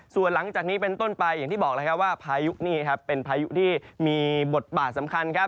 ส่วนหลังจากนี้เป็นต้นไปอย่างที่บอกว่าพายุนี่เป็นพายุที่มีบทบาทสำคัญ